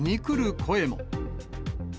声も。